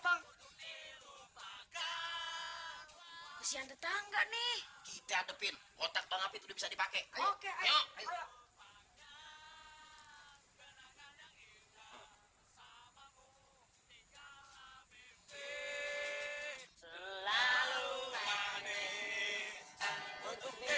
hai lupa kau kasihan tetangga nih kita depin otak tangan itu bisa dipakai oke ayo